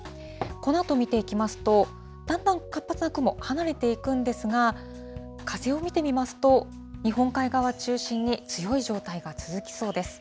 このあと見ていきますと、だんだん活発な雲離れていくんですが、風を見てみますと、日本海側中心に、強い状態が続きそうです。